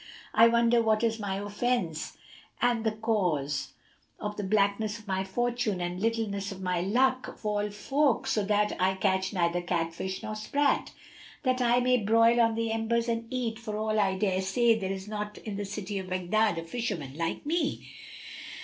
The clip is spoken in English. I wonder what is my offence and the cause of the blackness of my fortune and the littleness of my luck, of all folk, so that I catch neither cat fish nor sprat,[FN#268] that I may broil on the embers and eat, for all I dare say there is not in the city of Baghdad a fisherman like me."